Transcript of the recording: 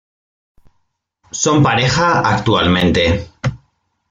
Son pareja actualmente.